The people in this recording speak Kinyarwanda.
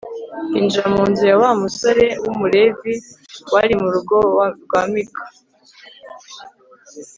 binjira mu nzu ya wa musore w'umulevi wari mu rugo rwa mika